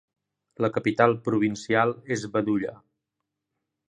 La capital provincial és Badulla.